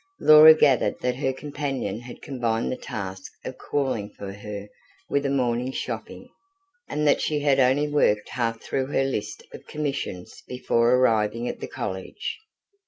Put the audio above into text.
Laura gathered that her companion had combined the task of calling for her with a morning's shopping, and that she had only worked half through her list of commissions before arriving at the College.